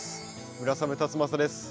村雨辰剛です。